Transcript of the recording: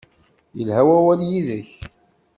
Yelha wawal yid-k.